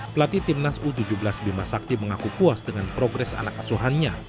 pelatih timnas u tujuh belas bima sakti mengaku puas dengan progres anak asuhannya